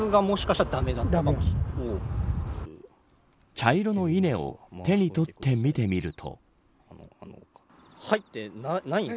茶色の稲を手に取って見てみると。